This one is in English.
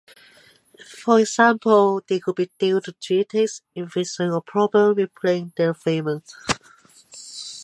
For example, they could be due to genetics, infections, or problems with brain development.